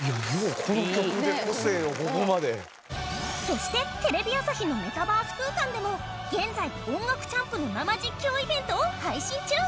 そしてテレビ朝日のメタバース空間でも現在『音楽チャンプ』の生実況イベントを配信中！